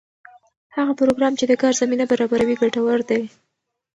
هغه پروګرام چې د کار زمینه برابروي ګټور دی.